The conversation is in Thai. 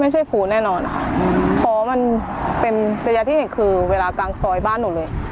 ไม่ใช่ผู้แน่นอนอะอืมเพราะมันเป็นระยะที่หนึ่งคือเวลากลางซอยบ้านหนูเลย